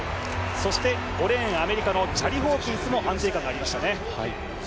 ５レーン、アメリカのチャリ・ホーキンスも安定感がありましたね。